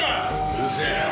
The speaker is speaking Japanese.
うるせえな。